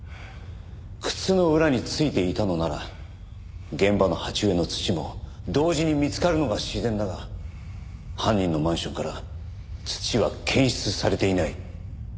靴の裏に付いていたのなら現場の鉢植えの土も同時に見つかるのが自然だが犯人のマンションから土は検出されていない。